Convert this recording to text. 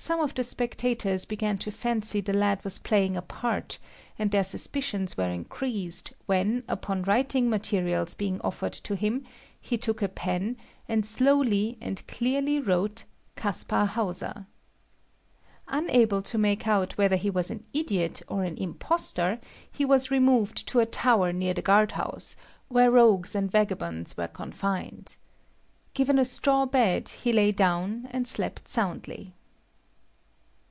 Some of the spectators began to fancy the lad was playing a part, and their suspicions were increased when, upon writing materials being offered to him, he took a pen, and slowly and clearly wrote "Kaspar Hauser." Unable to make out whether he was an idiot or an impostor, he was removed to a tower near the guard house, where rogues and vagabonds were confined. Given a straw bed, he lay down and slept soundly.